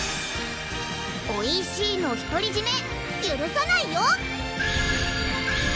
おいしいの独り占めゆるさないよ！